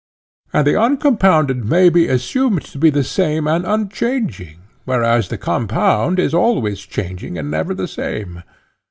And the uncompounded may be assumed to be the same and unchanging, whereas the compound is always changing and never the same.